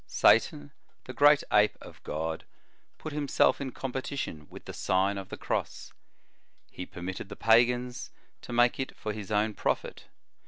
Satan, the great ape of God, put himself in competition with the Sign of the Cross ; he permitted the pagans to make it for his own profit.